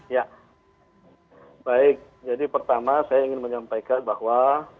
ya baik jadi pertama saya ingin menyampaikan bahwa